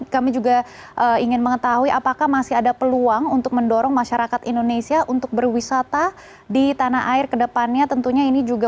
kami juga ingin mengetahui apakah masih ada peluang untuk mendorong masyarakat indonesia untuk berwisata di tanah air kedepannya tentunya ini juga